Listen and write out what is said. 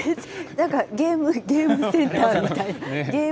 なんかゲームセンターみたいな。